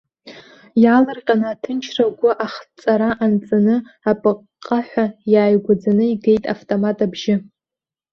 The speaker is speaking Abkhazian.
Иаалырҟьаны, аҭынчра агәы ахҵара анҵаны, апыҟҟаҳәа, иааигәаӡаны игеит автомат абжьы.